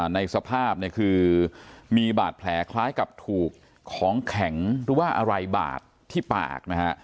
ในสภาพเนี่ยคือมีบาดแผลคล้ายกับถูกของแข็งหรือว่าอะไรบาดที่ปากนะฮะ